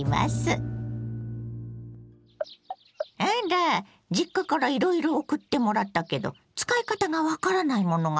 あら実家からいろいろ送ってもらったけど使い方が分からないものがあるって？